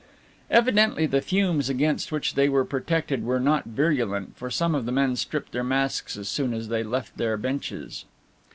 Evidently the fumes against which they were protected were not virulent, for some of the men stripped their masks as soon as they left their benches.